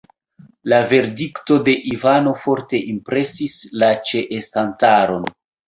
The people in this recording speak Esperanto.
La verdikto de Ivano forte impresis la ĉeestantaron.